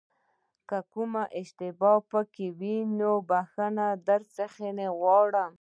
که کومه اشتباه پکې وي نو بښنه درڅخه غواړم.